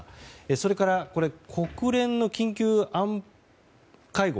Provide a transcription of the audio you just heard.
それから、国連の緊急会合。